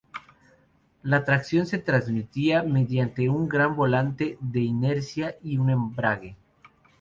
La tracción se transmitía mediante un gran volante de inercia y un embrague.